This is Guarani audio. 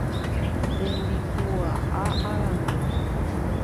Tembikuaa arandu.